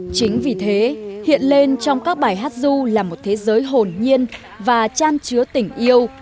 chính vì thế hiện lên trong các bài hát ru là một thế giới hồn nhiên và trang trứa tình yêu